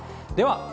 では